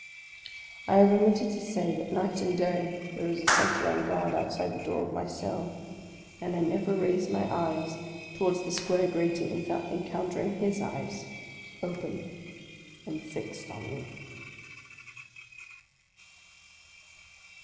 I have omitted to say that night and day there is a sentry on guard outside the door of my cell; and I never raise my 52 THE LAST DAY eyes towards the square grating without encountering his eyes, open, and fixed on me.